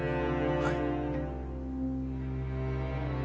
はい。